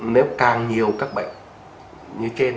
nếu càng nhiều các bệnh